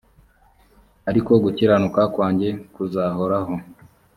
ariko gukiranuka kwanjye kuzahoraho